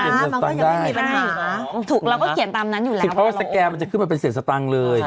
มันก็ยังไม่มีปัญหาถูกเราก็เขียนตามนั้นอยู่แล้วคือเพราะว่าสแกนมันจะขึ้นมาเป็นเศษสตังค์เลย